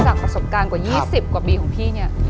จากประสบการณ์กว่า๒๐กว่าบีนี่